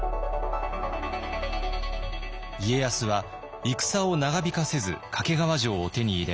家康は戦を長引かせず懸川城を手に入れ